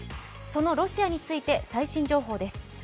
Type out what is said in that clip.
そのロシアについて、最新情報です